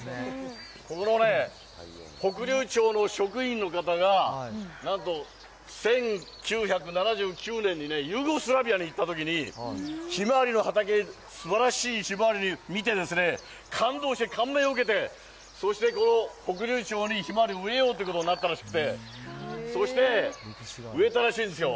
ここのね、北竜町の職員の方が、なんと１９７９年にユーゴスラビアに行ったときに、ひまわりの畑、すばらしいひまわりを見て感動して、感銘を受けて、そしてこの北竜町にひまわりを植えようっていうことになったらしくて、そして植えたらしいんですよ。